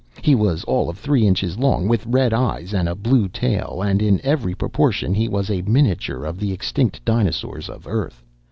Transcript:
He was all of three inches long, with red eyes and a blue tail, and in every proportion he was a miniature of the extinct dinosaurs of Earth.